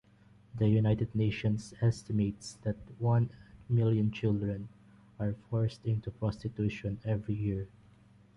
The United Nations estimates that one million children are forced into prostitution every year.